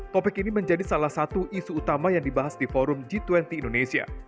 topik ini menjadi salah satu isu utama yang dibahas di forum g dua puluh indonesia